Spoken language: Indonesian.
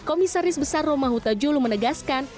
netnis besar romahuta julu menegaskan